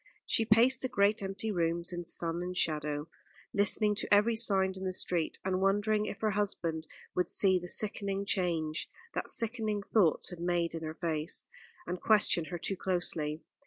She paced the great empty rooms in sun and shadow, listening to every sound in the street, and wondering if her husband would see the sickening change that sickening thoughts had made in her face, and question her too closely.